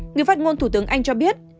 người phát ngôn thủ tướng anh cho biết